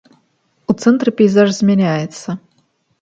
У цэнтры пейзаж змяняецца.